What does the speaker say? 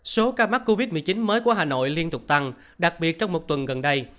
số ca mắc covid một mươi chín mới của hà nội liên tục tăng đặc biệt trong một tuần gần đây